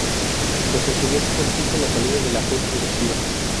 Los estudiantes exigen la salida de la junta directiva.